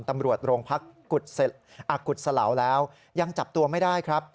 ตำรวจโรงพักกุศลาวแล้วยังจับตัวไม่ได้ครับ